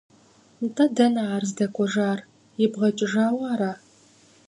НтӀэ, дэнэ ар здэкӀуэжар, ибгъэкӀыжауэ ара?